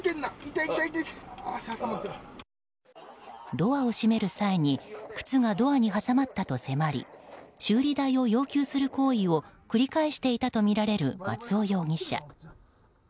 ドアを閉める際に靴がドアに挟まったと迫り修理代を要求する行為を繰り返していたとみられる松尾容疑者。